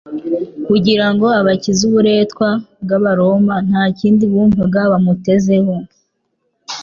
kugira ngo abakize uburetwa bw'abaroma; nta kindi bumvaga bamutezeho.